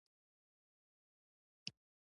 رئیس جمهور خپلو عسکرو ته امر وکړ؛ چپ!